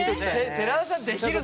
寺田さんできるの？